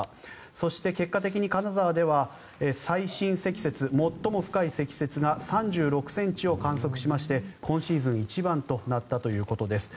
そして結果的に金沢では最深積雪、最も深い積雪が３６ｃｍを観測しまして今シーズン一番となったということです。